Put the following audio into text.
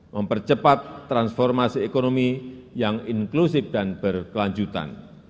mempercepat transformasi ekonomi yang inklusif dan berkelanjutan